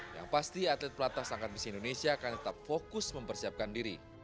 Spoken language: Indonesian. yang pasti atlet pelatas angkat besi indonesia akan tetap fokus mempersiapkan diri